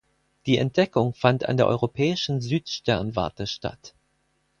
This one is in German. Die Entdeckung fand an der Europäischen Südsternwarte statt.